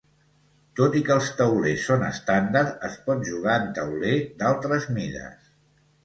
Tot i que els taulers són estàndard, es pot jugar en tauler d'altres mides.